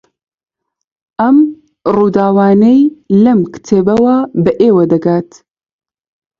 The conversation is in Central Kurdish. ئەم ڕووداوانەی لەم کتێبەوە بە ئێوە دەگات